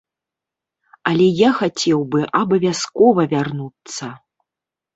Але я хацеў бы абавязкова вярнуцца.